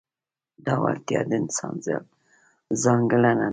دا وړتیا د انسان ځانګړنه ده.